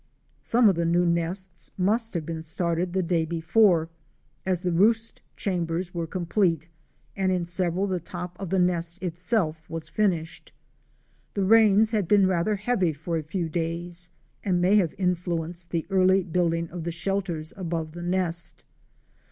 Some of the new nests must have been started the day before, as the roost chambers were complete and in several the top of the nest itself was finished. The rains had been rather heavy for a few days and may have influenced the early build ing of the shelters above the nest.